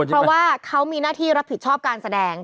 เพราะว่าเขามีหน้าที่รับผิดชอบการแสดง